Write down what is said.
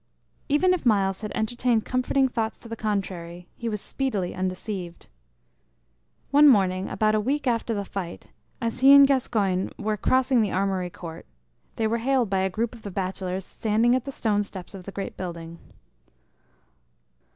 Even if Myles had entertained comforting thoughts to the contrary, he was speedily undeceived. One morning, about a week after the fight, as he and Gascoyne were crossing the armory court, they were hailed by a group of the bachelors standing at the stone steps of the great building.